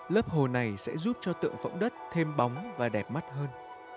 lớp hồ này sẽ giúp cho tượng phẫu đất thêm bóng và đẹp mắt hơn